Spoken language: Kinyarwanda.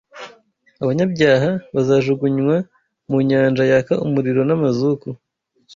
Abanyabyaha bazajugugunywa mu nyanja yaka umuriro n’amazuku